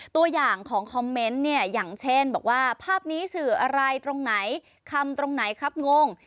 ตัวอย่างของคอมเมนต์เนี่ยอย่างเช่นบอกว่าภาพนี้สื่ออะไรตรงไหนคำตรงไหนครับงง